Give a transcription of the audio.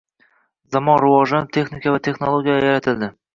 Zamon rivojlanib, texnika, texnologiyalar yaratildi.